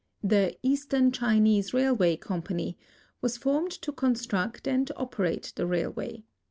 The Eastern Chinese Railway Company was formed to construct and operate the railway.